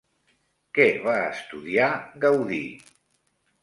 Què va estudiar Gaudí?